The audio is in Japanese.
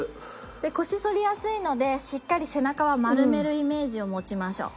腰反りやすいのでしっかり背中は丸めるイメージを持ちましょう。